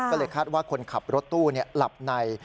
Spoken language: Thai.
ก็เลยคาดว่าคนขับรถตู้หลับใน